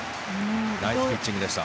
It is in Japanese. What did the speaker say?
ナイスピッチングでした。